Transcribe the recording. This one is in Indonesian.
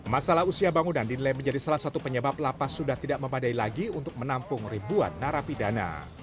masalah usia bangunan dinilai menjadi salah satu penyebab lapas sudah tidak memadai lagi untuk menampung ribuan narapidana